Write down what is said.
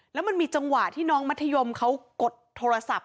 แล้วมันมีจังหวะที่น้องมัธยมเขากดโทรศัพท์